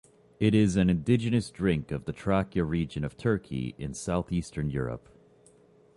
It is an indigenous drink of the Trakya region of Turkey in southeastern Europe.